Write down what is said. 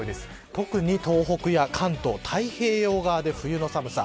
特に東北や関東太平洋側で冬の寒さ。